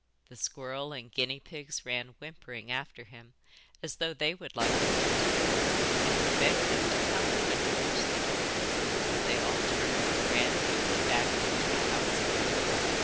The squirrels and guinea pigs ran whimpering after him, as though they would like to go too, and he begged them to come when he reached the door, but they all turned and ran quickly back into the house again.